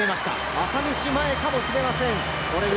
朝飯前かもしれません。